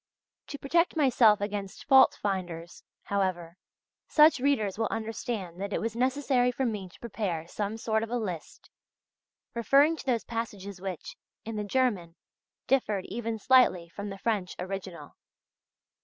To protect myself against fault finders, however, such readers will understand that it was necessary for me to prepare some sort of a list referring to those passages which, in the German, differed even slightly from the French original.